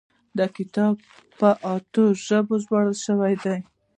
دا کتاب په اتیا ژبو ژباړل شوی دی.